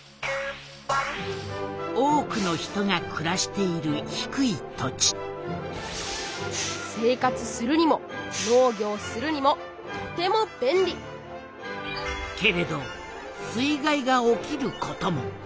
多くの人がくらしている低い土地生活するにも農業するにもとても便利けれど水害が起きることも。